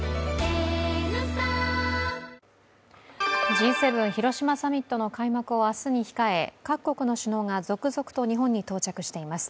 Ｇ７広島サミットの開幕を明日に控え各国の首脳が続々と日本に到着しています。